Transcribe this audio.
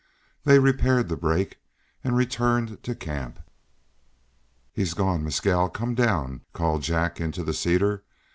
They repaired the break and returned to camp. "He's gone, Mescal. Come down," called Jack into the cedar.